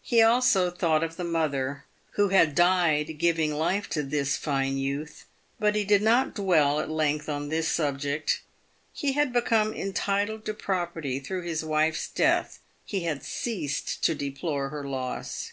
He also thought of the mother, who had died giving life to this fine youth ; but he did not dwell at length on this subject. He had become entitled to property through his wife's death — he had ceased to deplore her loss.